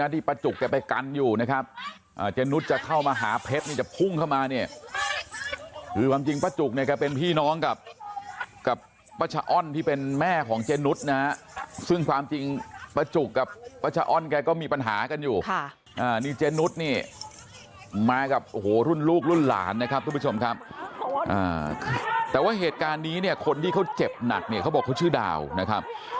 แต่ว่าเหตุการณ์นี้เนี่ยคนที่เขาเจ็บหนักเนี่ยเขาบอกเขาชื่อดาวนะครับ